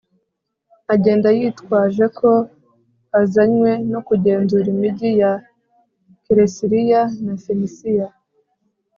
agenda yitwaje ko azanywe no kugenzura imigi ya kelesiriya na fenisiya